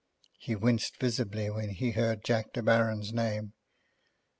He winced visibly when he heard Jack De Baron's name.